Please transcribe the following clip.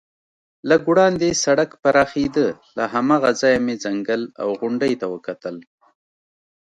لږ وړاندې سړک پراخېده، له هماغه ځایه مې ځنګل او غونډۍ ته وکتل.